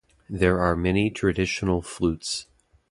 There are many traditional flutes.